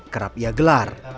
kerap ia gelar